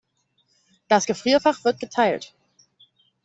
Das Gefrierfach wird geteilt.